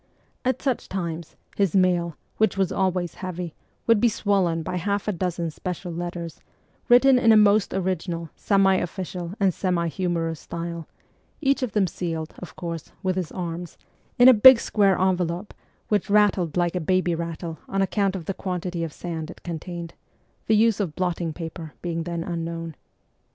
At such times, his mail, which was always heavy, would be swollen by half a dozen special letters, written in a most original, semi official, and semi humorous style ; each of them sealed, of course, with his arms, in a big square envelope, which rattled like a baby rattle on account of the quantity of sand it contained the use of blotting paper being then unknown.